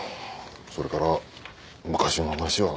それから昔の話は。